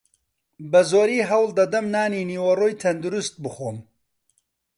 بەزۆری هەوڵدەدەم نانی نیوەڕۆی تەندروست بخۆم.